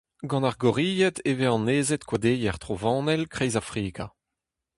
Gant ar gorilhed e vez annezet koadeier trovanel kreiz Afrika.